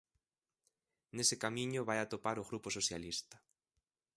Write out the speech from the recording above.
Nese camiño vai atopar o Grupo Socialista.